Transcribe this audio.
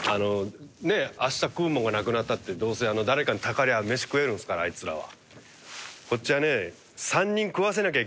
あした食うもんがなくなったってどうせ誰かにたかりゃ飯食えるんすからあいつらは。